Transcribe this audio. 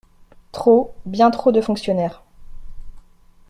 Trop, bien trop de fonctionnaires.